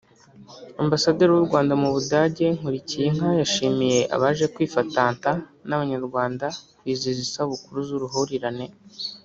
Ambasaderi w’ u Rwanda mu Budage Nkulikiyinka yashimiye abaje kwifatanta n’Abanyarwanda kwizihiza isabukuru z’uruhurirane